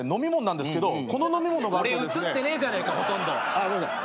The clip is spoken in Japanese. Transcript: あっごめんなさい。